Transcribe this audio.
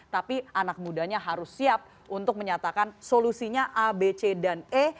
tapi anak mudanya harus siap untuk menyatakan solusinya a b c dan e